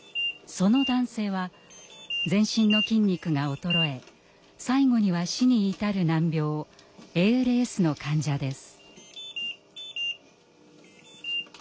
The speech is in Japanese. その男性は全身の筋肉が衰え最後には死に至る難病ＡＬＳの患者です。